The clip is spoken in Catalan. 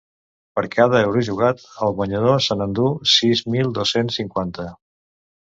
Per cada euro jugat, el guanyador se n’enduu sis mil dos-cents cinquanta.